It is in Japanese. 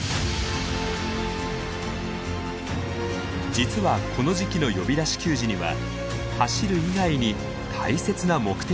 実はこの時期の呼び出し給餌には走る以外に大切な目的があります。